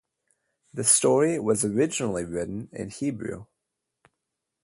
The story was originally written in Hebrew.